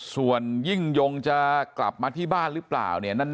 ส่วนยิ่งยงจะกลับมาที่บ้านหรือเปล่าเนี่ย